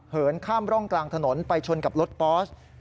ข้ามร่องกลางถนนไปชนกับรถปอส